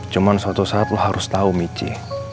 cuma suatu saat lo harus tau michi